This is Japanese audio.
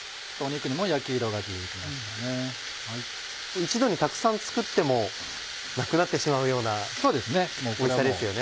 一度にたくさん作ってもなくなってしまうようなおいしさですよね。